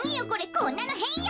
こんなのへんよ！